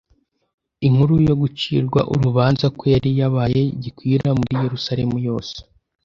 Inkuru yo gucirwa urubauza kwe yari yabaye gikwira muri Yerusalemu yose,